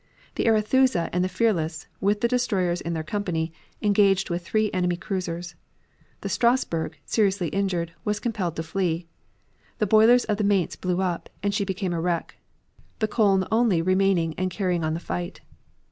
The Arethusa and the Fearless, with the destroyers in their company, engaged with three enemy cruisers. The Strasburg, seriously injured, was compelled to flee. The boilers of the Mainz blew up, and she became a wreck. The Koln only remaining and carrying on the fight.